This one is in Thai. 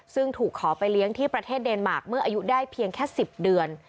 ซึ่งถูกขอไปเลี้ยงที่ประเทศเดนมาร์คเมื่ออายุได้เพียงแค่๑๐เดือน